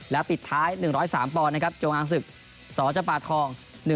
และปิดท้าย๑๐๓ปอนนะครับโจงอังศึกศรจปาทอง